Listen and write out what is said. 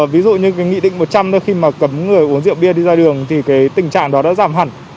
ví dụ như nghị định một trăm linh khi mà cấm người uống rượu bia đi ra đường thì tình trạng đó đã giảm hẳn